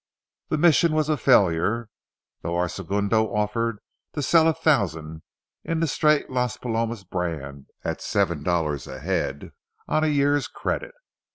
The mission was a failure, though our segundo offered to sell a thousand, in the straight Las Palomas brand, at seven dollars a head on a year's credit.